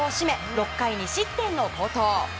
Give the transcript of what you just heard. ６回２失点の好投。